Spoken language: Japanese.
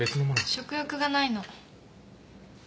食欲がないの。